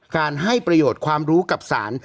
ให้ประโยชน์ความรู้กับสาร